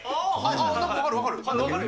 分かる、分かる、分かる。